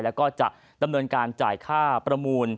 แล้วก็จะดำเนินการจ่ายค่าประมูล